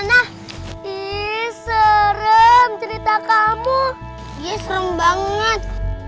mana ih serem cerita kamu ya serem banget